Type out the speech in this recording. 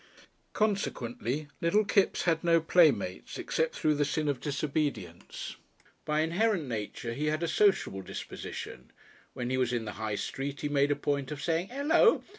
Consequently little Kipps had no playmates, except through the sin of disobedience. By inherent nature he had a sociable disposition. When he was in the High Street he made a point of saying "Hello!"